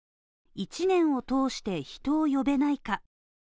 一年を通して、人を呼べないか。